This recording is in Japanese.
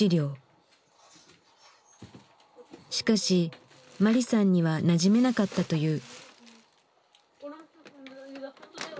しかしマリさんにはなじめなかったという。